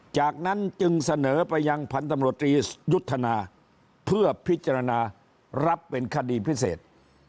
จากนั้นจึงเสนอไปยังพันธมรตรียุทธนาเพื่อพิจารณารับเป็นคดีพิเศษ